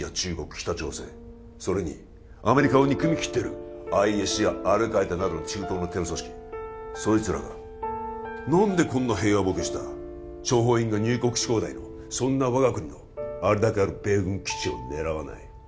北朝鮮それにアメリカを憎みきっているアイエスやアルカイダなどの中東のテロ組織そいつらが何でこんな平和ボケした諜報員が入国し放題のそんな我が国のあれだけある米軍基地を狙わない？